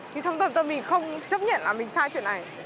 thì trong tầm tầm mình không chấp nhận là mình sai chuyện này